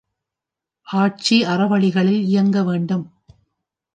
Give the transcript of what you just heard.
ஆட்சி அறவழிகளில் இயங்க வேண்டும்.